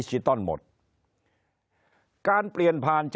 คนในวงการสื่อ๓๐องค์กร